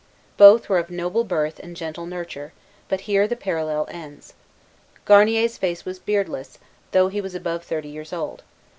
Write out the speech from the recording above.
Both were of noble birth and gentle nurture; but here the parallel ends. Garnier's face was beardless, though he was above thirty years old.